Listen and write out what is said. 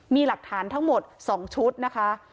มีหลักฐานทั้งหมด๒ชุดนะคะ